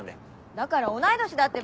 だから同い年だってば！